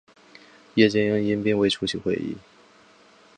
叶剑英因病未出席会议。